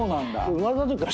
生まれたときから。